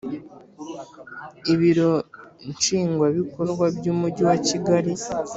Ibiro nshingwabikorwa bw umujyi wa kigali